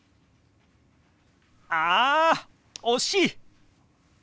あ惜しい！